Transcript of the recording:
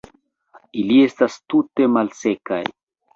Ili estas tute malsekaj.